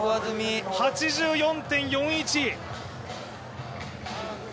８４．４１。